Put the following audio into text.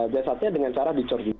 biasanya dengan cara dicor juga